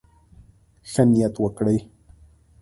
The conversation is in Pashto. ښه نيت وکړئ.